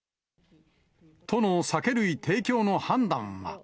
都の酒類提供の判断は。